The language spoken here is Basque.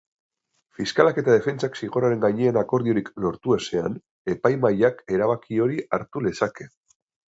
Fiskalak eta defentsak zigorraren gainean akordiorik lortu ezean epaimahaiak erabaki hori hartu lezake.